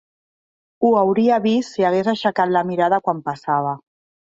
Ho hauria vist si hagués aixecat la mirada quan passava.